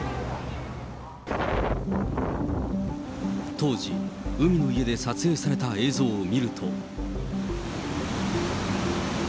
当時、海の家で撮影された映像を見ると。